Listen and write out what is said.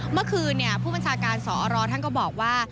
เมื่อคืนผู้บัญชาการสรท่านก็บอกว่า